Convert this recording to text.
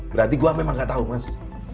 berarti gue memang gak tahu mas